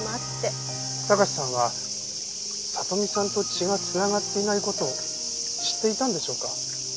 貴史さんは里美さんと血が繋がっていない事を知っていたんでしょうか？